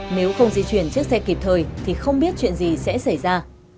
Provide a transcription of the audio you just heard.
nếu không di chuyển chiếc xe kịp thời thì không biết chuyện gì sẽ xảy ra